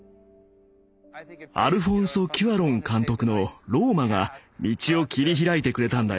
アルフォンソ・キュアロン監督の「ＲＯＭＡ／ローマ」が道を切り開いてくれたんだよ。